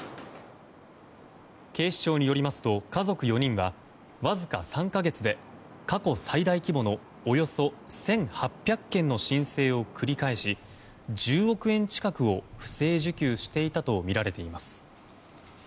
警視庁によりますと家族４人はわずか３か月で過去最大規模のおよそ１８００件の申請を繰り返し、１０億円近くを不正受給していたとみられています。